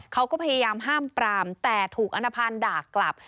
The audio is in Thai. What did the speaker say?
เขาก็พยายามห้ามปรามแต่ถูกอนภัณฑ์ด่ากลับ